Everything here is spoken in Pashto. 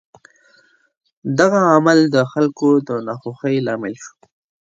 دغه عمل د خلکو د ناخوښۍ لامل شو.